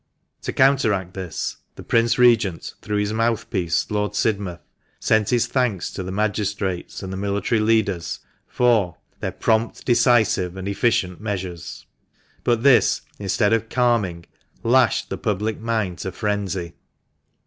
To counteract this, the Prince Regent, through his mouthpiece, Lord Sidmouth, sent his thanks to the magistrates and the military leaders for "their prompt, decisive, and efficient measures." But this, instead of calming, lashed the public mind to frenzy.